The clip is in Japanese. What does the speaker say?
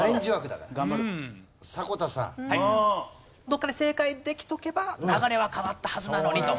どこかで正解できとけば流れは変わったはずなのにと。